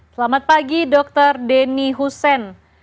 selamat pagi dr denny husein